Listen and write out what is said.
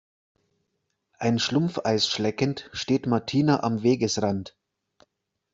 Ein Schlumpfeis schleckend steht Martina am Wegesrand.